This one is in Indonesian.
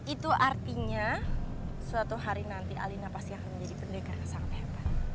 itu artinya suatu hari nanti alina pasti akan menjadi pendekar sangat hebat